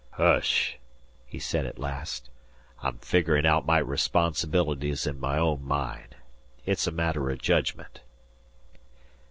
"Hsh!" he said at last. "I'm figurin' out my responsibilities in my own mind. It's a matter o' jedgment."